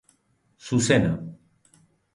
Zuzena.